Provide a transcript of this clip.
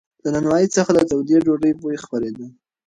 له نانوایۍ څخه د تودې ډوډۍ بوی خپرېده.